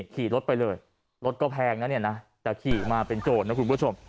ขี่รถไปเลยรถก็แพงนะเนี่ยนะแต่ขี่มาเป็นโจรนะคุณผู้ชม